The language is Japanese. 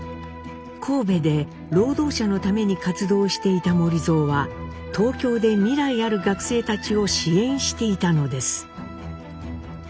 神戸で労働者のために活動していた守造は東京で未来ある学生たちを支援していたのです。